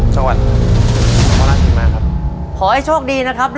จังหวัดนพรราชสีมา๓๐๒๒